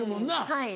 はい。